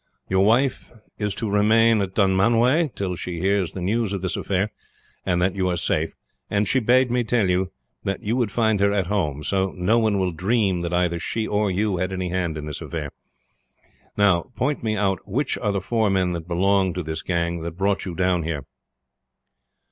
Your wife is to remain at Dunmanway till she hears the news of this affair and that you are safe, and she bade me tell you that you would find her at home, so no one will dream that either she or you had any hand in this affair. Now, point me out which are the four men that belong to this gang that brought you down here."